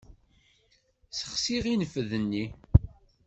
Ssexsiɣ infed-nni.